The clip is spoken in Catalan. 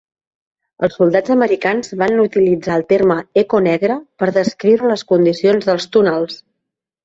Els soldats americans van utilitzar el terme "eco negre" per descriure les condicions dels túnels.